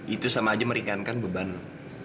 itu sama aja meringankan beban